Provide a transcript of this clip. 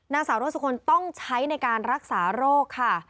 นางสาวโรสุคลต้องใช้ในการรักษาโรคค่ะ